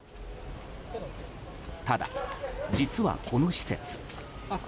ただ、実はこの施設。